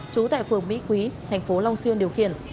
trú tại phường mỹ quý tp long xuyên điều khiển